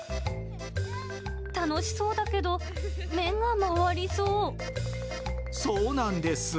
楽しそうだけど、目が回りそそうなんです。